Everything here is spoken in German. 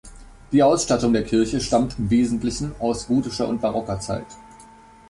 Die Ausstattung der Kirche stammt im Wesentlichen aus gotischer und barocker Zeit.